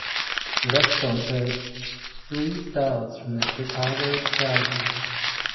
The restaurant earned three stars from the Chicago Tribune.